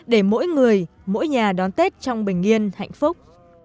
để mỗi người mỗi nhà đón tết trong bình yên hạnh phúc